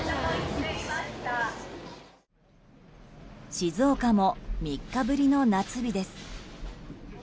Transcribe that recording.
静岡も３日ぶりの夏日です。